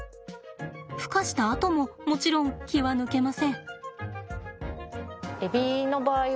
ふ化したあとももちろん気は抜けません。